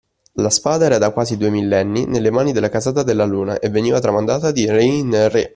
La spada era da quasi due millenni nelle mani della casata Della Luna e veniva tramandata di re in re